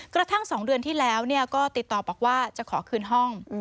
กระทั่ง๒เดือนที่แล้วก็ติดต่อบอกว่าจะขอคืนห้อง